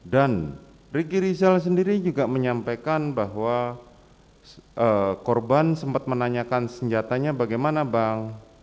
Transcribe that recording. dan riki rizal sendiri juga menyampaikan bahwa korban sempat menanyakan senjatanya bagaimana bang